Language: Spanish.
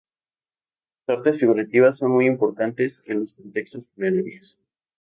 Las artes figurativas son muy importantes en los contextos funerarios.